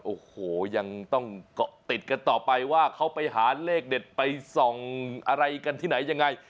โอ้โหยังต้องเกาะติดกันต่อไปว่าเขาไปหาเลขเด็ดไปส่องอะไรกันที่ไหนยังไง